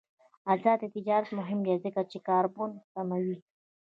آزاد تجارت مهم دی ځکه چې د کاربن کموي.